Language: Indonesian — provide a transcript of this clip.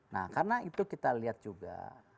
nah karena itu kita lihat juga